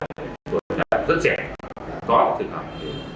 tổ tượng rất trẻ có thể thường thẳng